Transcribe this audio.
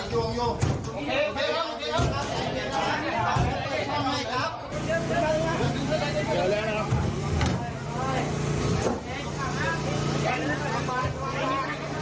หลังจริง